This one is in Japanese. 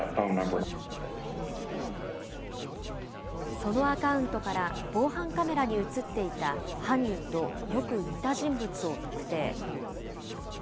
そのアカウントから防犯カメラに写っていた犯人とよく似た人物を特定。